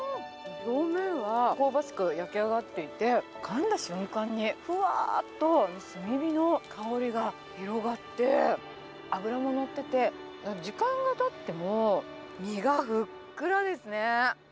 表面は香ばしく焼き上がっていて、かんだ瞬間に、ふわーっと炭火の香りが広がって、脂も乗ってて、時間がたっても身がふっくらですね。